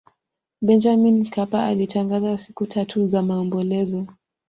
benjamin mkapa alitangaza siku tatu za maombolezo